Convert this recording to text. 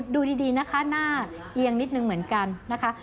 ดูดีนะคะหน้าเอียงนิดนึงเหมือนกันนะคะ